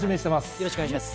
よろしくお願いします。